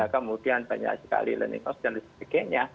kemudian banyak sekali learning house dan sebagainya